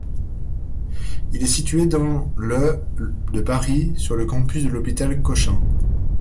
Il est situé dans le de Paris sur le campus de l'hôpital Cochin.